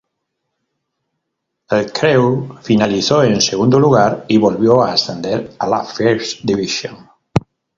El Crewe finalizó en segundo lugar y volvió a ascender a la First División.